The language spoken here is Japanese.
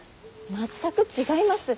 全く違います！